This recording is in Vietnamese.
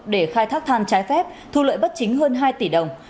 để khai thác than trái phép thu lợi bất chính hơn hai tỷ đồng